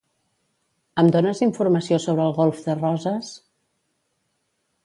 Em dones informació sobre el golf de Roses?